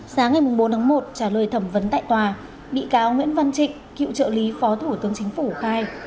sáng ngày bốn tháng một trả lời thẩm vấn tại tòa bị cáo nguyễn văn trịnh cựu trợ lý phó thủ tướng chính phủ khai